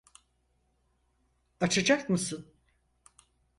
Açacak mısın?